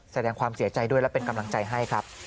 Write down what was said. แสดงความเสียใจด้วยและเป็นกำลังใจให้ครับ